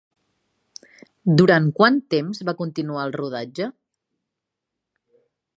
Durant quant temps va continuar el rodatge?